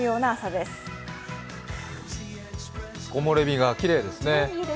木漏れ日がきれいですね。